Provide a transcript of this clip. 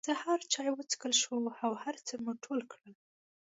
د سهار چای وڅکل شو او هر څه مو ټول کړل.